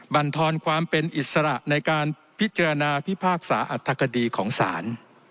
บรรทอนความเป็นอิสระในการพิจารณาพิพากษาอัธคดีของศาล